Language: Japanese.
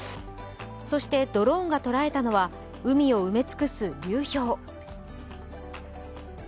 そしてドローンがとらえたのは海を埋め尽くす流氷。